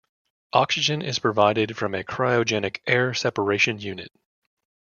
Oxygen is provided from a cryogenic air separation unit.